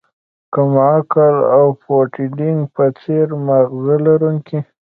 کم عقل او د پوډینګ په څیر ماغزه لرونکی